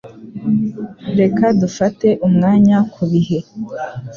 Reka dufate umwanya kubihe.